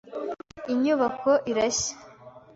Inyubako irashya.